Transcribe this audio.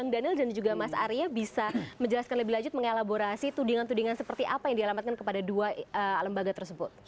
daniel dan juga mas arya bisa menjelaskan lebih lanjut mengelaborasi tudingan tudingan seperti apa yang dialamatkan kepada dua lembaga tersebut